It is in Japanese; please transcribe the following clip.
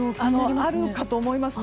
あるかと思いますね。